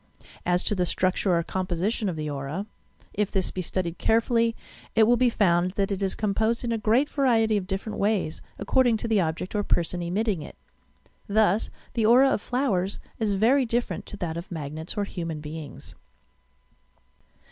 As to the structure or composition of the aurai If this be studied carefully, it will be found that it is composed in a great variety of different ways, according to the object or person emitting it. Thus, the aura of flowers is very different to that of magnets or human beings.